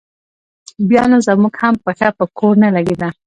بیا نو زموږ هم پښه په کور نه لګېده.